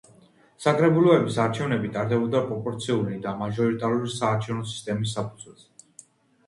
საკრებულოების არჩევნები ტარდებოდა პროპორციული და მაჟორიტარული საარჩევნო სისტემის საფუძველზე.